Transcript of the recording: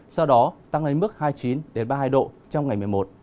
sau đó tăng lên mức hai mươi chín ba mươi hai độ trong ngày một mươi một